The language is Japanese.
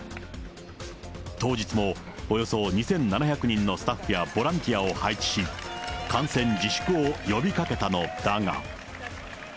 当日もおよそ２７００人のスタッフやボランティアを配置し、観戦自粛を呼びかけたのだが。